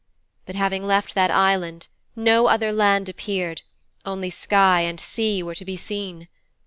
'But, having left that island, no other land appeared, and only sky and sea were to be seen.